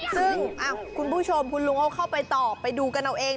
ซึ่งคุณผู้ชมคุณลุงเขาเข้าไปตอบไปดูกันเอาเอง